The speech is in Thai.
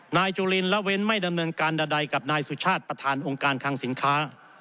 จุลินละเว้นไม่ดำเนินการใดกับนายสุชาติประธานองค์การคังสินค้า